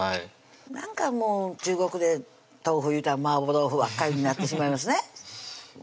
なんかもう中国で豆腐いうたらマーボー豆腐ばっかりになってしまいますね